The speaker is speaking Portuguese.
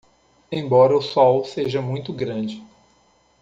Embora o sol seja muito grande